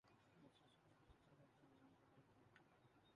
مسلم سماج کی اساسی ترکیب روایتی ہے۔